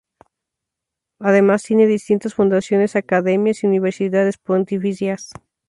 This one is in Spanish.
Además tiene distintas fundaciones, academias y universidades pontificias.